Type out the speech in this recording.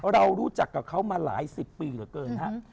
เรารู้จักกับเขามาหลายสิบปีเหลือเกินฮะ